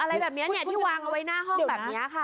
อะไรแบบนี้ที่วางเอาไว้หน้าห้องแบบนี้ค่ะ